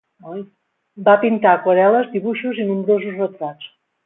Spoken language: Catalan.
Va pintar aquarel·les, dibuixos i nombrosos retrats.